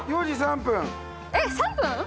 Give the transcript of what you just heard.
えっ３分？